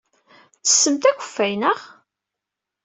Tettessemt akeffay, naɣ?